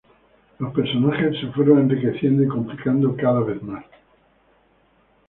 Los personajes se fueron enriqueciendo y complicando cada vez más.